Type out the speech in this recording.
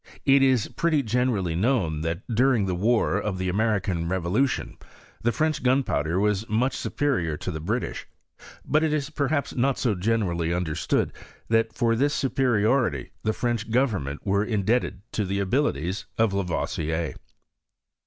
It is pretty gene rally known, that during the war of the Americam levolution, the French gunpowder was much supe rior to the Eritlsh ; but it is perhaps not so generally understood, that for this superiority the French go vemment were indebted to the abilities of Lavoisier.